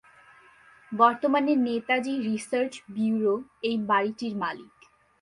বর্তমানে Netaji research bureau এই বাড়িটির মালিক।